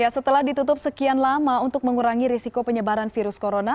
setelah ditutup sekian lama untuk mengurangi risiko penyebaran virus corona